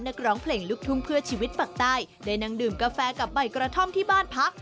นักร้องเพลงลูกทุ่งเพื่อชีวิตปักใต้ได้นั่งดื่มกาแฟกับใบกระท่อมที่บ้านพัก